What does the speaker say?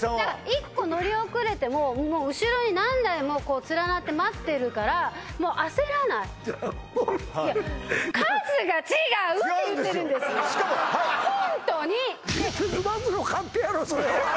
１個乗り遅れてももう後ろに何台も連なって待ってるからもう焦らないいや数が違うって言ってるんですホントに！